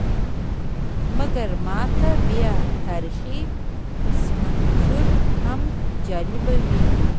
مګر ماته بیا تاریخي پسمنظر هم جالب وي.